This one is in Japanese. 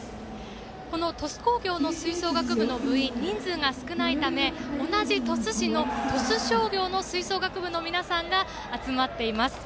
この鳥栖工業の吹奏楽部の部員は人数が少ないため同じ鳥栖市の鳥栖商業の吹奏楽部の皆さんが集まっています。